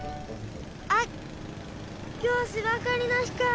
あっきょう芝かりのひか！